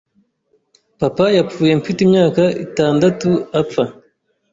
papa yapfuye mfite imyaka itndatu apfa